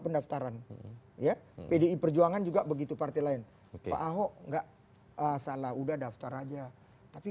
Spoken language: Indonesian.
pendaftaran ya pdi perjuangan juga begitu partai lain pak ahok enggak salah udah daftar aja tapi